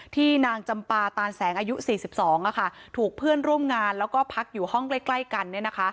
นางจำปาตานแสงอายุ๔๒ถูกเพื่อนร่วมงานแล้วก็พักอยู่ห้องใกล้กัน